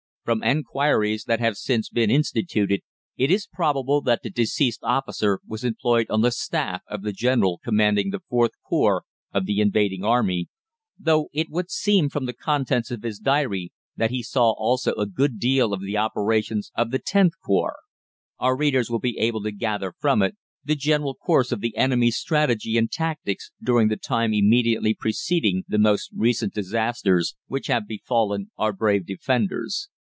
From enquiries that have since been instituted, it is probable that the deceased officer was employed on the staff of the General commanding the IVth Corps of the invading Army, though it would seem from the contents of his diary that he saw also a good deal of the operations of the Xth Corps. Our readers will be able to gather from it the general course of the enemy's strategy and tactics during the time immediately preceding the most recent disasters which have befallen our brave defenders.